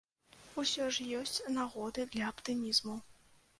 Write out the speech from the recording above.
Усё ж ёсць нагоды для аптымізму.